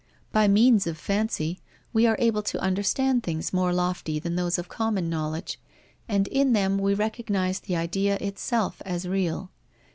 By means of fancy, we are able to understand things more lofty than those of common knowledge, and in them we recognize the idea itself as real.